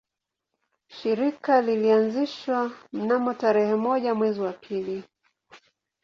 Shirika lilianzishwa mnamo tarehe moja mwezi wa pili